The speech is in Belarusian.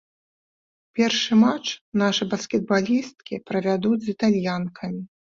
Першы матч нашы баскетбалісткі правядуць з італьянкамі.